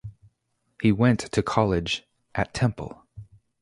He went to college at Temple.